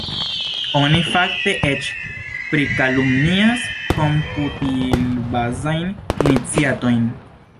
Oni fakte eĉ prikalumnias komputilbazajn iniciatojn.